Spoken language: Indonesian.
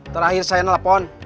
terakhir saya telepon